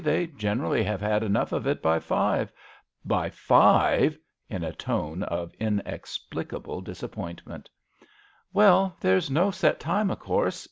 They generally have had enough of it by five " "By fivel" in a tone of in explicable disappointment. MISS AWBREY AT HOME. I7S " Well, there's no set time, of course.